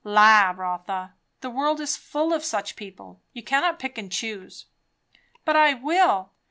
"La, Rotha, the world is full of such people; you cannot pick and choose." "But I will.